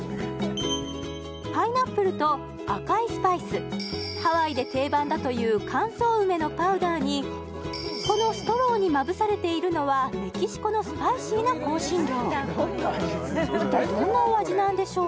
パイナップルと赤いスパイスハワイで定番だという乾燥梅のパウダーにこのストローにまぶされているのは一体どんなお味なんでしょう？